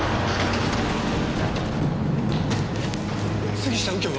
杉下右京は？